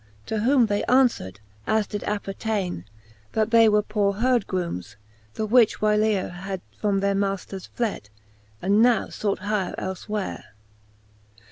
To whom they anfwer'd, as did appertaine, That they were poore heardgroomes, the which whylere Had from their maifters fled, and now fought hyre elfwhere.